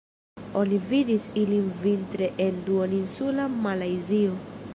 Oni vidis ilin vintre en duoninsula Malajzio.